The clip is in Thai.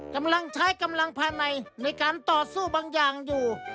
กำลังใช้กำลังภายในในการต่อสู้บางอย่างอยู่